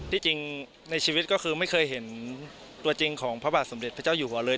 จริงในชีวิตก็คือไม่เคยเห็นตัวจริงของพระบาทสมเด็จพระเจ้าอยู่หัวเลย